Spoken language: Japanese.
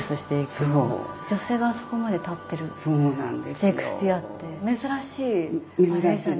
女性があそこまで立ってるシェイクスピアって珍しいあれでしたね。